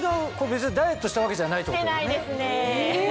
別にダイエットしたわけじゃないってことだよね。